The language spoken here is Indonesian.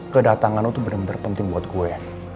kedatangan lo tuh bener bener penting buat gue